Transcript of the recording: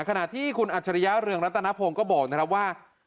ขณะที่คุณอัจฉริยะเรืองรัตนพงศ์ก็บอกนะครับว่า